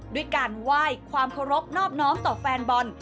ด้วยการไหว้ความเคารพนอบน้อมต่อแฟนบอล